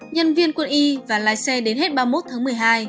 nhân viên quân y và lái xe đến hết ba mươi một tháng một mươi hai